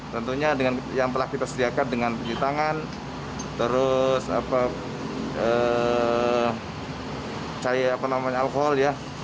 tentunya yang telah dipersediakan dengan penyutangan terus cari alkohol